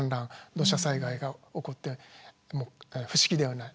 土砂災害が起こっても不思議ではない。